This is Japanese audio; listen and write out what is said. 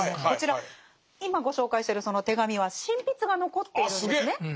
こちら今ご紹介してるその手紙は真筆が残っているんですね